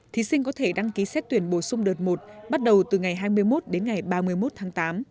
thí sinh có thể đăng ký xét tuyển bổ sung đợt một bắt đầu từ ngày hai mươi một đến ngày ba mươi một tháng tám